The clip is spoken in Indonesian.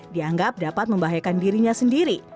dianggap dapat membahayakan dirinya sendiri